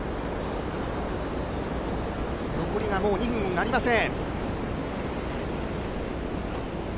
残りがもう２分ありません。